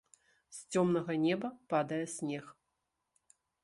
З цёмнага неба падае снег.